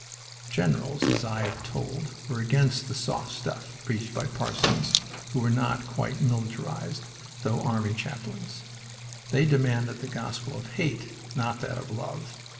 Generals, as I have told, were against the "soft stuff" preached by parsons, who were not quite militarized, though army chaplains. They demanded the gospel of hate, not that of love.